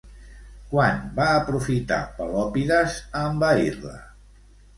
Quan va aprofitar Pelòpides a envair-la?